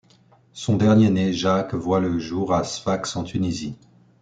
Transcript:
Son dernier né, Jacques, voit le jour à Sfax en Tunisie.